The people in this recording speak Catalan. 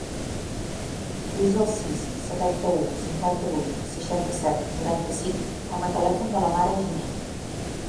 Desa el sis, setanta-u, cinquanta-vuit, seixanta-set, noranta-cinc com a telèfon de la Mara Giner.